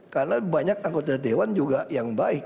karena banyak anggota dewan juga yang baik